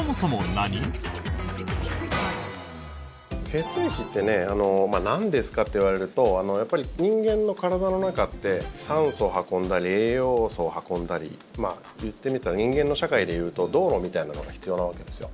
血液ってなんですかっていわれると人間の体の中って酸素を運んだり栄養素を運んだりいってみたら人間の社会でいうと道路みたいなのが必要なわけですよ。